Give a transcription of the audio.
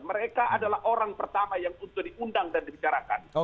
mereka adalah orang pertama yang untuk diundang dan dibicarakan